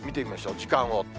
時間を追って。